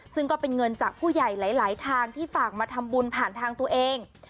ซึ่งก็เป็นเงินจากผู้ใหญ่หลายทางที่ฝากมาทำบุญผ่านทางตัวเอง